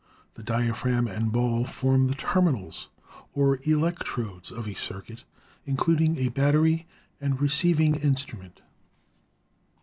The diaphragm and ball form the terminals or electrodes of a circuit, including a battery and receiving instrument.